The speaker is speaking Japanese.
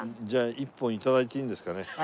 じゃあ１本頂いていいんですかね？